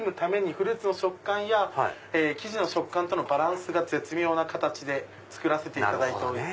フルーツの食感や生地の食感とのバランスが絶妙な形で作らせていただいておりまして。